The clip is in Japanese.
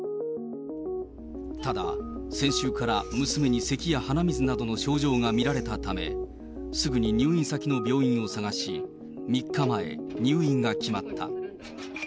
ただ、先週から娘にせきや鼻水などの症状が見られたため、すぐに入院先の病院を探し、３日前、入院が決まった。